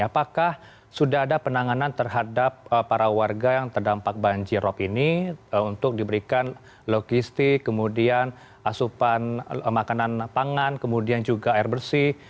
apakah sudah ada penanganan terhadap para warga yang terdampak banjirop ini untuk diberikan logistik kemudian asupan makanan pangan kemudian juga air bersih